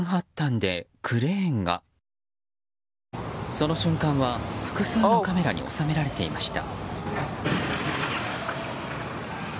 その瞬間は複数のカメラに収められていました。